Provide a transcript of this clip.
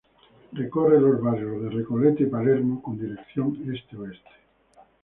Recorre los barrios de Recoleta y Palermo con dirección este-oeste.